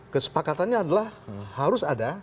kesepakatannya adalah harus ada